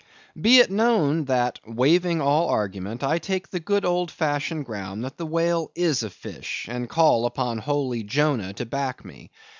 Be it known that, waiving all argument, I take the good old fashioned ground that the whale is a fish, and call upon holy Jonah to back me.